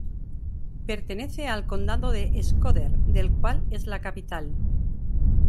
Pertenece al condado de Shkodër, del cual es la capital.